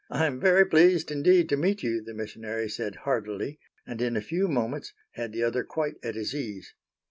"I'm very pleased indeed to meet you," the missionary said heartily, and in a few moments had the other quite at his ease.